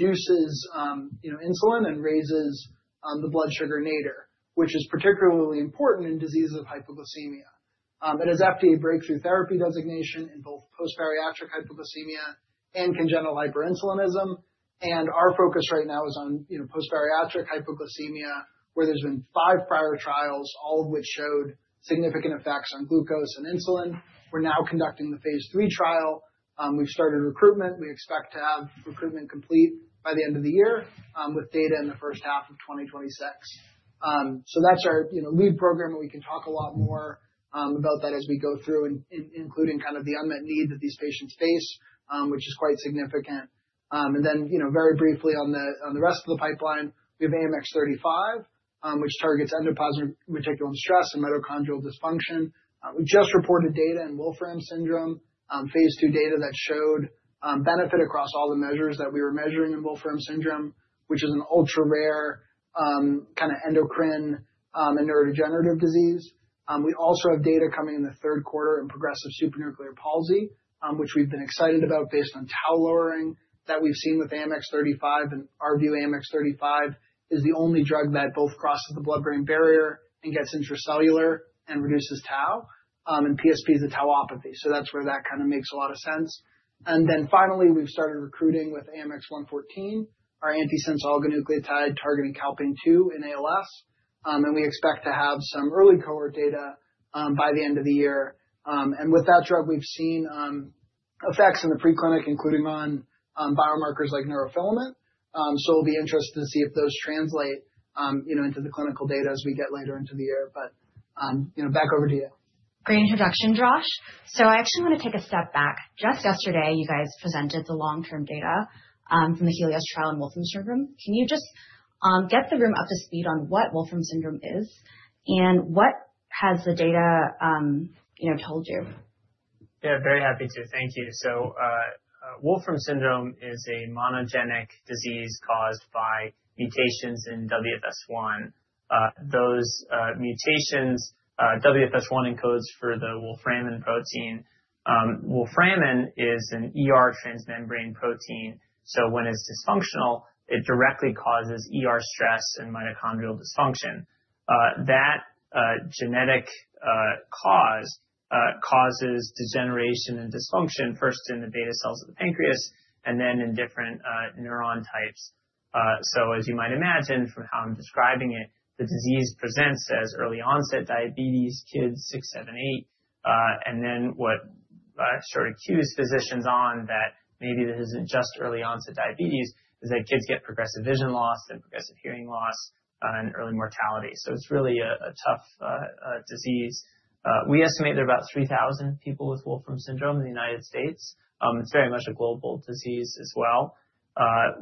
Produces insulin and raises the Blood sugar nadir, which is particularly important in diseases of hypoglycemia. It has FDA breakthrough therapy designation in both Post-bariatric hypoglycemia and congenital hyperinsulinism. Our focus right now is on Post-bariatric hypoglycemia, where there have been five prior trials, all of which showed significant effects on glucose and insulin. We are now conducting the phase III trial. We have started recruitment. We expect to have recruitment complete by the end of the year, with data in the first half of 2026. That is our lead program, and we can talk a lot more about that as we go through, including kind of the unmet need that these patients face, which is quite significant. Very briefly, on the rest of the pipeline, we have AMX 0035, which targets endoplasmic reticulum stress and mitochondrial dysfunction. We just reported data in Wolfram syndrome, phase II data that showed benefit across all the measures that we were measuring in Wolfram syndrome, which is an ultra-rare kind of endocrine and neurodegenerative disease. We also have data coming in the third quarter in progressive supranuclear palsy, which we've been excited about based on tau lowering that we've seen with AMX 0035. In our view, AMX 0035 is the only drug that both crosses the blood-brain barrier and gets intracellular and reduces tau. PSP is a Tauopathy, so that's where that kind of makes a lot of sense. Finally, we've started recruiting with AMX 0114, our antisense oligonucleotide targeting calpain-2 in ALS. We expect to have some early cohort data by the end of the year. With that drug, we've seen effects in the preclinic, including on biomarkers like neurofilament. We'll be interested to see if those translate into the clinical data as we get later into the year. But back over to you. Great introduction, Josh. I actually want to take a step back. Just yesterday, you guys presented the long-term data from the Helios trial in Wolfram syndrome. Can you just get the room up to speed on what Wolfram syndrome is and what has the data told you? Yeah, very happy to. Thank you. Wolfram syndrome is a monogenic disease caused by mutations in WFS1. Those mutations, WFS1 encodes for the Wolframin protein. Wolframin is a trans-membrane protein. When it's dysfunctional, it directly causes endoplasmic reticulum stress and mitochondrial dysfunction. That genetic cause causes degeneration and dysfunction, first in the beta cells of the pancreas and then in different neuron types. As you might imagine, from how I'm describing it, the disease presents as early onset diabetes, kids 6, 7, 8. What sort of cues physicians on that maybe this isn't just early onset diabetes is that kids get progressive vision loss and progressive hearing loss and early mortality. It's really a tough disease. We estimate there are about 3,000 people with Wolfram syndrome in the United States. It's very much a global disease as well.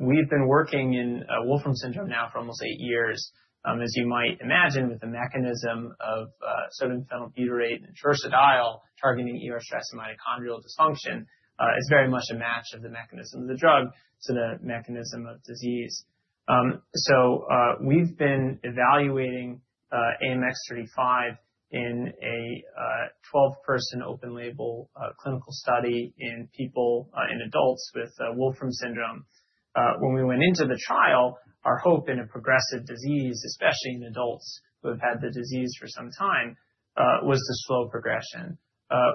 We've been working in Wolfram syndrome now for almost eight years. As you might imagine, with the mechanism of Sodium phenylbutyrate and taurursodiol targeting stress and mitochondrial dysfunction, it's very much a match of the mechanism of the drug to the mechanism of disease. We've been evaluating AMX 0035 in a 12-person open-label clinical study in adults with Wolfram syndrome. When we went into the trial, our hope in a progressive disease, especially in adults who have had the disease for some time, was to slow progression.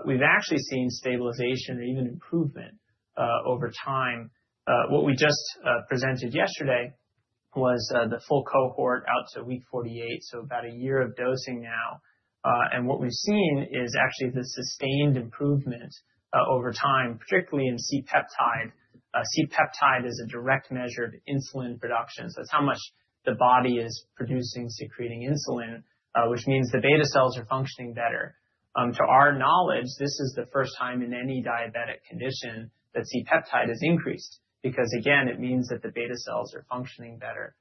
We've actually seen stabilization or even improvement over time. What we just presented yesterday was the full cohort out to week 48, so about a year of dosing now. What we've seen is actually the sustained improvement over time, particularly in C-peptide. C-peptide is a direct measure of insulin production. It's how much the body is producing, secreting insulin, which means the beta cells are functioning better. To our knowledge, this is the first time in any diabetic condition that C-peptide is increased because, again, it means that the beta cells are functioning better.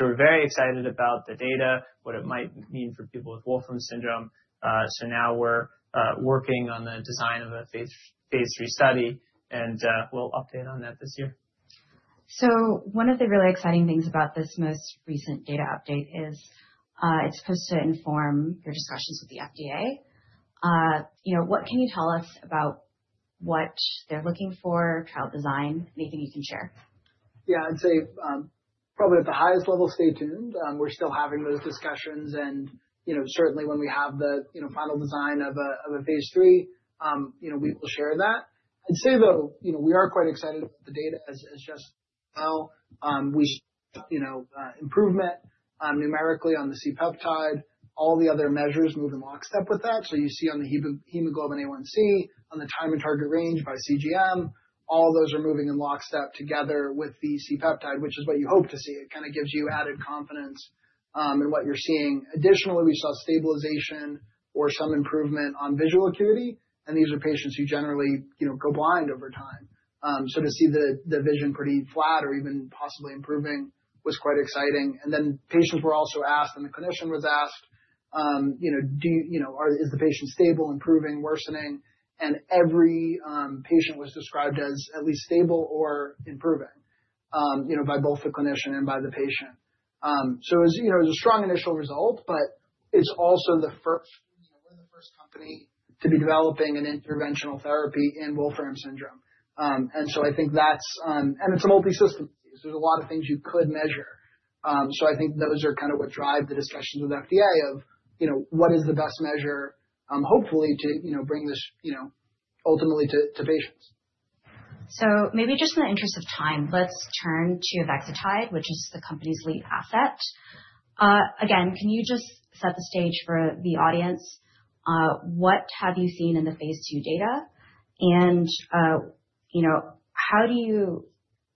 We're very excited about the data, what it might mean for people with Wolfram syndrome. Now we're working on the design of a phase III study, and we'll update on that this year. One of the really exciting things about this most recent data update is it's supposed to inform your discussions with the FDA. What can you tell us about what they're looking for, trial design, anything you can share? Yeah, I'd say probably at the highest level, stay tuned. We're still having those discussions. Certainly, when we have the final design of a phase III, we will share that. I'd say, though, we are quite excited about the data as just well. We show improvement numerically on the C-peptide. All the other measures move in lockstep with that. You see on the Hemoglobin A1c, on the time and target range by CGM, all those are moving in lockstep together with the C-peptide, which is what you hope to see. It kind of gives you added confidence in what you're seeing. Additionally, we saw stabilization or some improvement on Visual Acuity. These are patients who generally go blind over time. To see the vision pretty flat or even possibly improving was quite exciting. Patients were also asked, and the clinician was asked, is the patient stable, improving, worsening? Every patient was described as at least stable or improving by both the clinician and by the patient. It was a strong initial result, but it's also the first, we're the first company to be developing an Interventional therapy in Wolfram syndrome. I think that's, and it's a multi-system disease. There are a lot of things you could measure. I think those are kind of what drive the discussions with the FDA of what is the best measure, hopefully, to bring this ultimately to patients. Maybe just in the interest of time, let's turn to Avexitide, which is the company's lead asset. Again, can you just set the stage for the audience? What have you seen in the phase II data? And how do you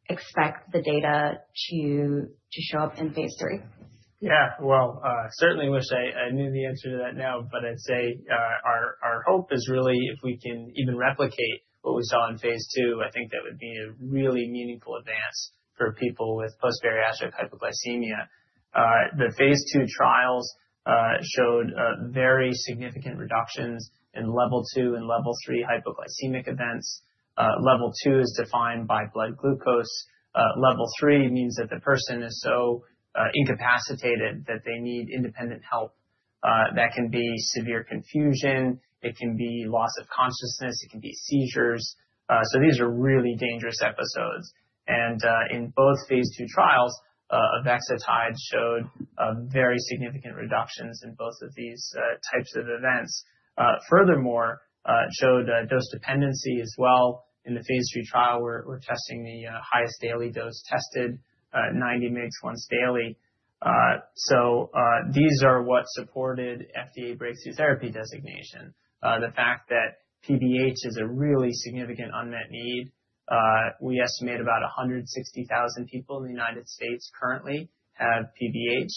expect the data to show up in phase III? Yeah, certainly, I wish I knew the answer to that now, but I'd say our hope is really if we can even replicate what we saw in phase II, I think that would be a really meaningful advance for people with post-bariatric hypoglycemia. The phase II trials showed very significant reductions in Level 2 and Level 3 hypoglycemic events. Level 2 is defined by blood glucose. Level 3 means that the person is so incapacitated that they need independent help. That can be severe confusion. It can be loss of consciousness. It can be seizures. These are really dangerous episodes. In both phase II trials, Avexitide showed very significant reductions in both of these types of events. Furthermore, it showed dose dependency as well. In the phase III trial, we're testing the highest daily dose tested, 90 mg once daily. These are what supported FDA Breakthrough Therapy Designation. The fact that PBH is a really significant unmet need. We estimate about 160,000 people in the United States currently have PBH.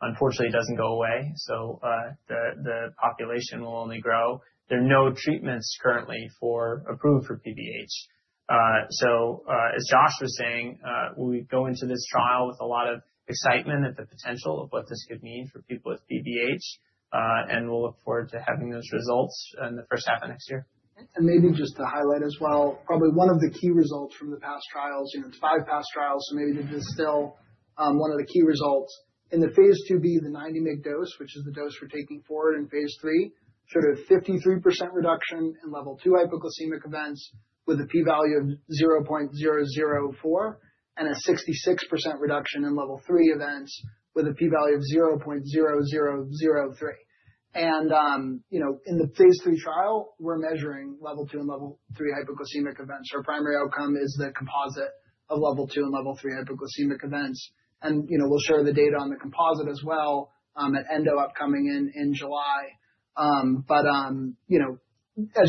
Unfortunately, it doesn't go away. The population will only grow. There are no treatments currently approved for PBH. As Josh was saying, we go into this trial with a lot of excitement at the potential of what this could mean for people with PBH. We'll look forward to having those results in the first half of next year. Maybe just to highlight as well, probably one of the key results from the past trials, five past trials, so maybe this is still one of the key results. In the phase II-B, the 90 mg dose, which is the dose we're taking forward in phase III, showed a 53% reduction in Level 2 hypoglycemic events with a P-value of 0.004 and a 66% reduction in Level 3 events with a P-value of 0.0003. In the phase III trial, we're measuring Level 2 and Level 3 hypoglycemic events. Our primary outcome is the composite of Level 2 and Level 3 hypoglycemic events. We'll share the data on the composite as well at ENDO upcoming in July. As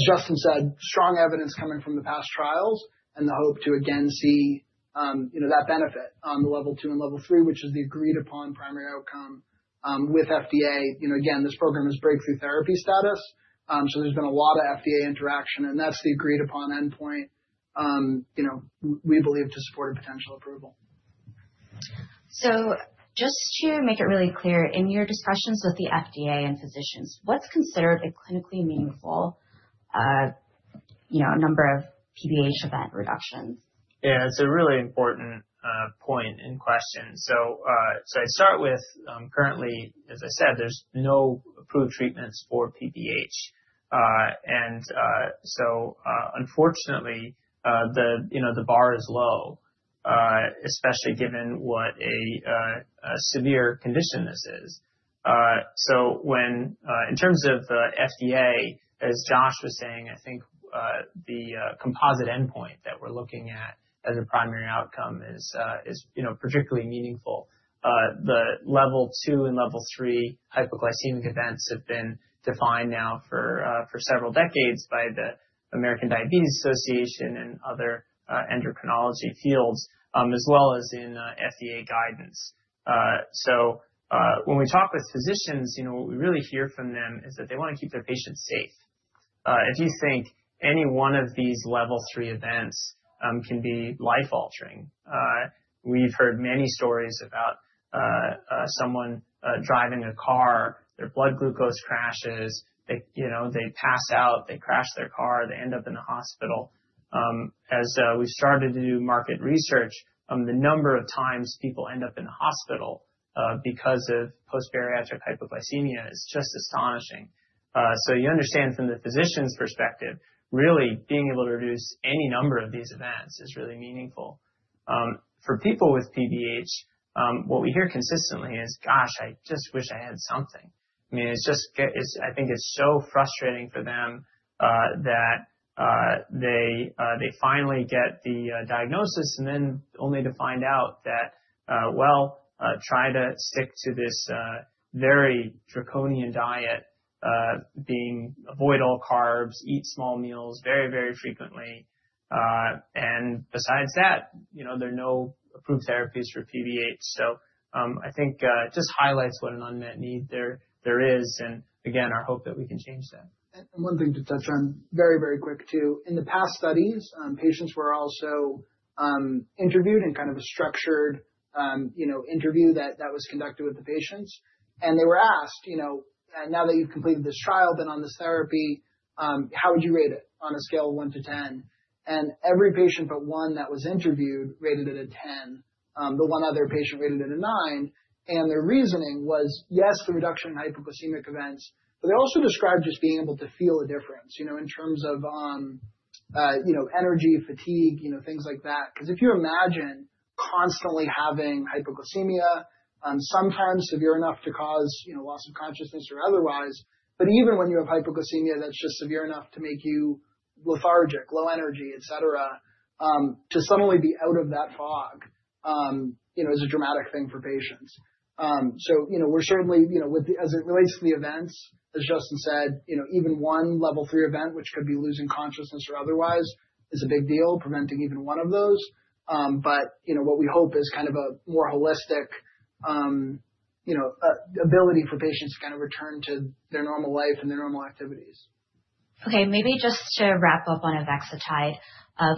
Justin said, strong evidence coming from the past trials and the hope to again see that benefit on the Level 2 and Level 3, which is the agreed-upon primary outcome with FDA. Again, this program is breakthrough therapy status. There has been a lot of FDA interaction. That is the agreed-upon endpoint we believe to support a potential approval. Just to make it really clear, in your discussions with the FDA and physicians, what's considered a clinically meaningful number of PBH event reductions? Yeah, it's a really important point and question. I'd start with, currently, as I said, there's no approved treatments for PBH. Unfortunately, the bar is low, especially given what a severe condition this is. In terms of the FDA, as Josh was saying, I think the composite endpoint that we're looking at as a primary outcome is particularly meaningful. The Level 2 and Level 3 hypoglycemic events have been defined now for several decades by the American Diabetes Association and other endocrinology fields, as well as in FDA guidance. When we talk with physicians, what we really hear from them is that they want to keep their patients safe. If you think any one of these Level 3 events can be life-altering, we've heard many stories about someone driving a car, their blood glucose crashes, they pass out, they crash their car, they end up in the hospital. As we've started to do market research, the number of times people end up in the hospital because of post-bariatric hypoglycemia is just astonishing. You understand from the physician's perspective, really being able to reduce any number of these events is really meaningful. For people with PBH, what we hear consistently is, "Gosh, I just wish I had something." I mean, I think it's so frustrating for them that they finally get the diagnosis and then only to find out that, well, try to stick to this very draconian diet, avoid all carbs, eat small meals very, very frequently. Besides that, there are no approved therapies for PBH. I think it just highlights what an unmet need there is. And again, our hope that we can change that. One thing to touch on very, very quick too. In the past studies, patients were also interviewed in kind of a structured interview that was conducted with the patients. They were asked, "Now that you've completed this trial, been on this therapy, how would you rate it on a scale of 1 to 10?" Every patient but one that was interviewed rated it a 10. The one other patient rated it a nine. Their reasoning was, yes, the reduction in hypoglycemic events, but they also described just being able to feel a difference in terms of energy, fatigue, things like that. Because if you imagine constantly having hypoglycemia, sometimes severe enough to cause loss of consciousness or otherwise, but even when you have hypoglycemia that's just severe enough to make you lethargic, low energy, et cetera, to suddenly be out of that fog is a dramatic thing for patients. We are certainly, as it relates to the events, as Justin said, even one Level 3 event, which could be losing consciousness or otherwise, is a big deal. Preventing even one of those. What we hope is kind of a more holistic ability for patients to kind of return to their normal life and their normal activities. Okay, maybe just to wrap up on Avexitide,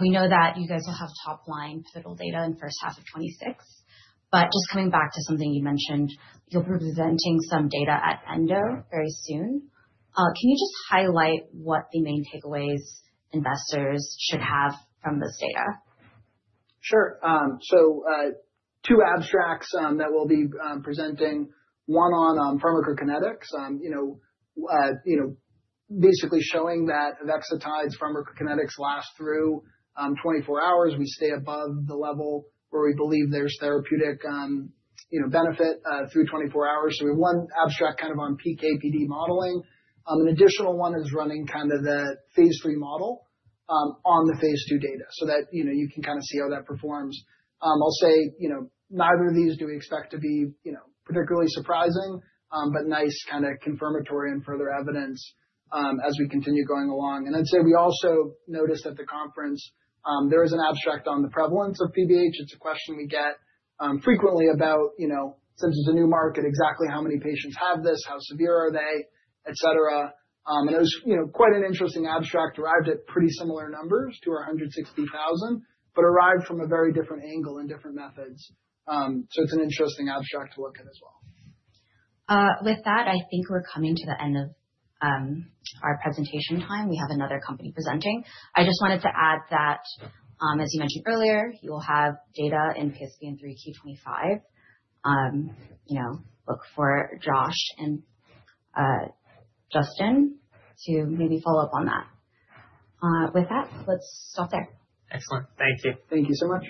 we know that you guys will have top-line pivotal data in the first half of 2026. But just coming back to something you mentioned, you'll be presenting some data at ENDO very soon. Can you just highlight what the main takeaways investors should have from this data? Sure. Two abstracts that we'll be presenting. One on pharmacokinetics, basically showing that Avexitide's pharmacokinetics last through 24 hours. We stay above the level where we believe there's therapeutic benefit through 24 hours. We have one abstract kind of on PK/PD modeling. An additional one is running kind of the phase III model on the phase II data so that you can kind of see how that performs. I'll say neither of these do we expect to be particularly surprising, but nice kind of confirmatory and further evidence as we continue going along. I'd say we also noticed at the conference, there is an abstract on the prevalence of PBH. It's a question we get frequently about, since it's a new market, exactly how many patients have this, how severe are they, et cetera. It was quite an interesting abstract, arrived at pretty similar numbers to our 160,000, but arrived from a very different angle and different methods. It is an interesting abstract to look at as well. With that, I think we're coming to the end of our presentation time. We have another company presenting. I just wanted to add that, as you mentioned earlier, you will have data in PSP in Q3 2025. Look for Josh and Justin to maybe follow up on that. With that, let's stop there. Excellent. Thank you. Thank you so much.